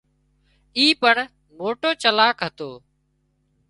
اي پڻ موٽو چالاڪ هتو